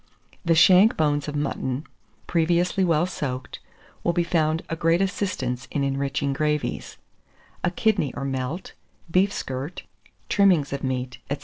The shank bones of mutton, previously well soaked, will be found a great assistance in enriching gravies; a kidney or melt, beef skirt, trimmings of meat, &c.